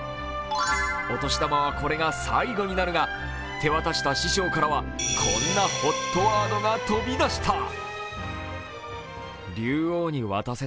お年玉はこれが最後になるが手渡した師匠からはこんなＨＯＴワードが飛び出した。